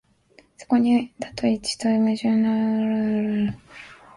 そこに多と一との矛盾的自己同一として我々が含まれている世界が、